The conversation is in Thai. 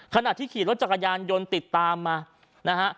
ขณะที่ขี่รถจักรยานยนต์ติดตามมานะฮะ